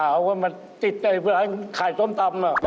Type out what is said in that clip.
้าวเขากำลังมาขายส้มตำเนอะ